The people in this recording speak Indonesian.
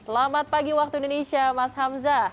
selamat pagi waktu indonesia mas hamzah